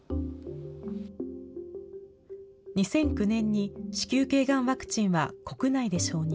２００９年に子宮けいがんワクチンは国内で承認。